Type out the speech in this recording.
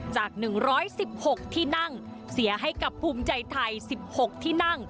จาก๑๑๖ที่นั่งเสียให้กับภูมิใจไทย๑๖ที่นั่ง